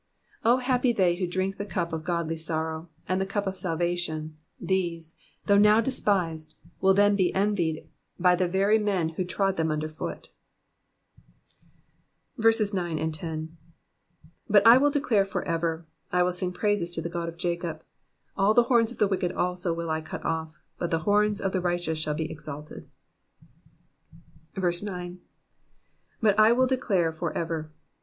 Oh happy they who drink the cup of godly sorrow, and the cup of salvation ; these, though now despised, will then be envied by the very men who trod them under foot. •Timbs. Digitized by VjOOQIC PSALH THE SEVENTT FIFTH, 393 9 But I will declare for ever ; I will sing praises to the God of Jacob. ID All the horns of the wicked also will I cut off ; but the horns of the righteous shall be exalted. 9. But I wUl declare for ever.